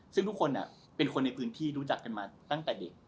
ซึ่งทุกคนเป็นคนในพื้นที่รู้จักกันมาตั้งแต่เด็ก